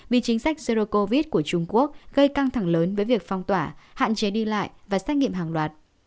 vì chính sách zero covid của trung quốc gây căng thẳng lớn với việc phong tỏa hạn chế đi lại và xét nghiệm hàng loạt